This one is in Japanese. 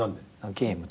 ゲームとか。